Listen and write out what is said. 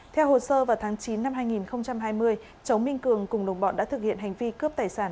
theo hồ sơ vào tháng chín năm hai nghìn hai mươi cháu minh cường cùng đồng bọn đã thực hiện hành vi cướp tài sản